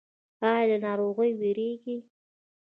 ایا له ناروغۍ ویریږئ؟